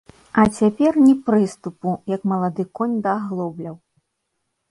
А цяпер ні прыступу, як малады конь да аглобляў.